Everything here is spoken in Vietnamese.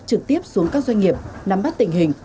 trực tiếp xuống các doanh nghiệp nắm bắt tình hình